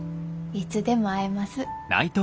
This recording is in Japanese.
いつでも会えます。